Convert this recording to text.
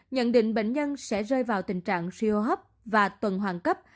nhận định bệnh nhân sẽ rơi vào tình trạng siêu hấp và tuần hoàng cấp